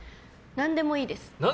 何でもいいです。